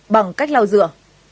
bằng cách lau rửa